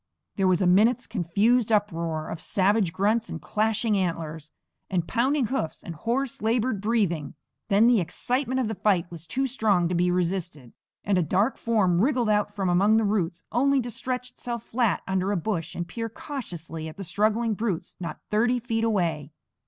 There was a minute's confused uproar, of savage grunts and clashing antlers and pounding hoofs and hoarse, labored breathing; then the excitement of the fight was too strong to be resisted, and a dark form wriggled out from among the roots, only to stretch itself flat under a bush and peer cautiously at the struggling brutes not thirty feet away.